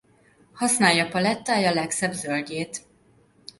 Használja palettája legszebb zöldjét!